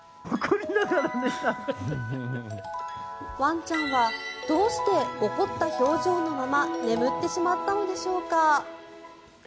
ワンちゃんはどうして怒った表情のまま眠ってしまったのでしょうか。